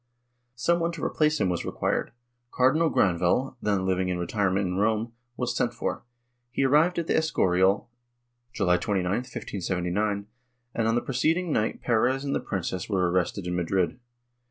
Some one to replace him was required ; Cardinal Granvelle, then living in retirement in Rome, was sent for; he arrived at the Escorial, July 29, 1579, and, on the preceding night Perez and the princess were arrested in Madrid.